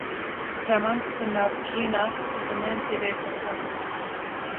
Raman, bi navgîna zimên tê vegotin